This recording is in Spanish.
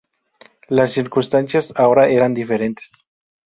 Las circunstancias ahora eran diferentes.